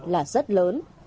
là số nhất